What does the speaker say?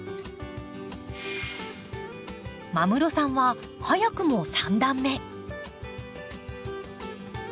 間室さんは早くも３段目。